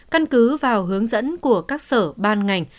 căn cứ vào hướng dẫn của các sở ban ngành